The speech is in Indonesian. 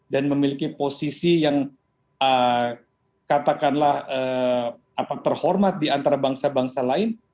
dan memiliki posisi yang katakanlah terhormat di antara bangsa bangsa lain